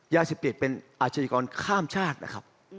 ยาเสพติดเป็นอาชญากรข้ามชาตินะครับ